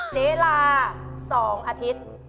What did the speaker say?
เวลา๒อาทิตย์